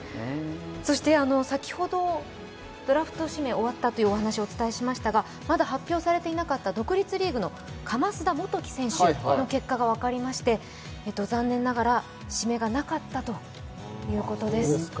先ほどドラフト指名が終わったというお話をお伝えしましたが、まだ発表されていなかった独立リーグの叺田本気選手の結果が分かりまして残念ながら指名がなかったということです。